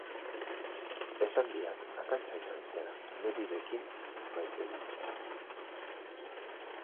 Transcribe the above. Esan diat akatsa izan zela Meryrekin maitemintzea.